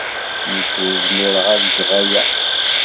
Nekk ur zmireɣ ad geɣ aya.